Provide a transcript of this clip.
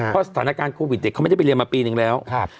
เพราะสถานการณ์โควิดเด็กเขาไม่ได้ไปเรียนมาปีนึงแล้ว